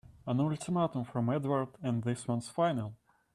An ultimatum from Edward and this one's final!